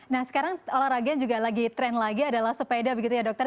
nah sekarang olahraga yang juga lagi tren lagi adalah sepeda begitu ya dokter